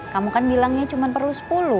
kamu kan bilangnya cuma perlu sepuluh